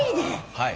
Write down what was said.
はい。